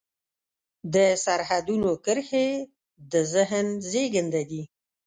د سرحدونو کرښې د ذهن زېږنده دي.